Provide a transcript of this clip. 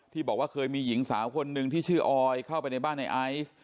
บอกว่าเคยมีหญิงสาวคนหนึ่งที่ชื่อออยเข้าไปในบ้านในไอซ์